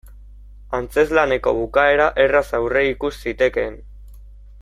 Antzezlaneko bukaera erraz aurreikus zitekeen.